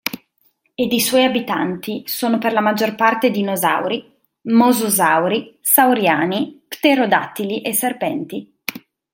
Ed i suoi abitanti sono per la maggior parte dinosauri, mosasauri, sauriani, pterodattili e serpenti.